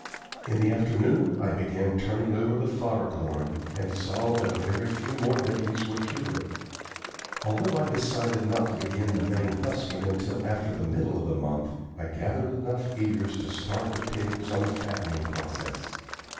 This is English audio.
In the afternoon I began turning over the fodder corn, and saw that a very tew more days would cure it. Although I decided not to begin the main husking until after the middle of the month, I gathered enough ears to start the pigs on the fattening process.